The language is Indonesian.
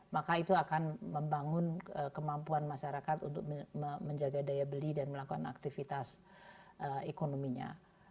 maka itu akan membangun kemampuan masyarakat untuk menjaga daya beli dan melakukan aktivitas ekonominya